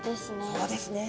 そうですね。